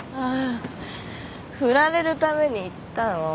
あ振られるために言ったの。